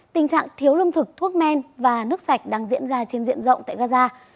tình trạng thiếu lương thực thuốc men và nước sạch đang diễn ra trên diện rộng tại gaza